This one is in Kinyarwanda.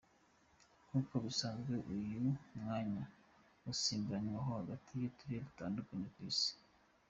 Nk’uko bisanzwe uyu mwanya usimburanywaho hagati y’uturere dutandukanye tw’Isi.